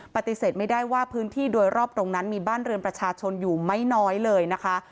ปฏิเสธไม่ได้ว่าพื้นที่โดยรอบตรงนั้นมีบ้านเรือนประชาชนอยู่ไม่น้อยเลยนะคะ